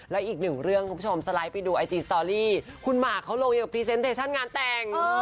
และอีกหนึ่งเรื่องคุณผู้ชมสไลด์ไปดูไอจีสตอรีคุณมาร์คเขาลงอย่างกับพรีเซ็นเตชั่นงานแต่ง